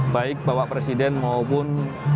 baik bahwa presiden maupun